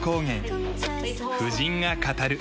婦人が語る。